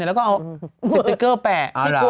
แล้วก็เอาสติ๊กเกอร์แปะ